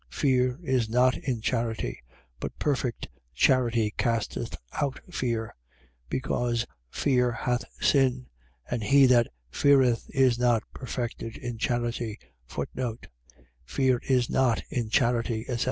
4:18. Fear is not in charity: but perfect charity casteth out fear, because fear hath sin. And he that feareth is not perfected in charity. Fear is not in charity, etc.